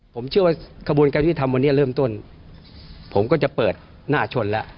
ผมเชื่อว่าขบูรณ์การที่ทำวันนี้เริ่มต้นผมก็จะเปิดหน้าชนแล้ว